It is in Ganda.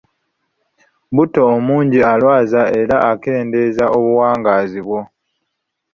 Buto omungi alwaza era akendeeza obuwangaazi bwo.